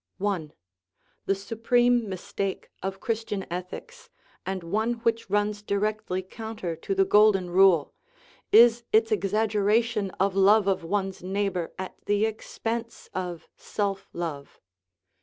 I. The supreme mistake of Christian ethics, and one which runs directly counter to the Golden Rule, is its exaggeration of love of one's neighbor at the ex pense of self love.